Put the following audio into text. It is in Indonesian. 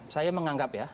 saya menganggap ya